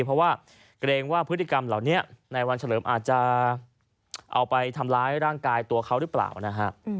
เพราะว่าเกรงว่าพฤติกรรมเหล่านี้ในวันเฉลิมอาจจะเอาไปทำร้ายร่างกายตัวเขาหรือเปล่านะฮะ